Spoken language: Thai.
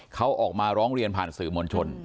เขาออกมาร้องเรียนผ่านสื่อมวลชน